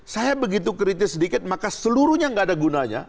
saya begitu kritis sedikit maka seluruhnya nggak ada gunanya